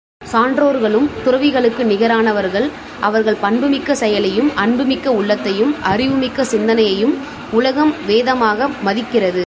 சான்றோர்களும் துறவிகளுக்கு நிகரானவர்கள் அவர்கள் பண்புமிக்க செயலையும், அன்புமிக்க உள்ளத்தையும், அறிவு மிக்க சிந்தனையையும் உலகம் வேதமாக மதிக்கிறது.